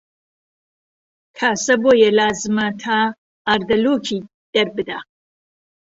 کاسە بۆیە لازمە تا ئاردەڵۆکی دەربدا